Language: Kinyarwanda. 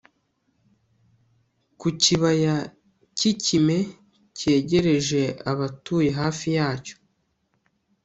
Ku kibaya cyikime cyegerejeabatuye hafi yacyo